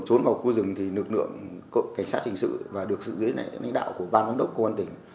cộng cảnh sát hình sự và được sự giới đạo của ban giám đốc công an tỉnh